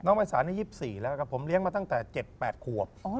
น้องไฟศาล๒๔แล้วครับผมเลี้ยงมาตั้งแต่๗๘ขวบ